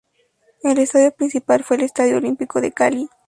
El estadio principal fue el Estadio Olímpico de Cali.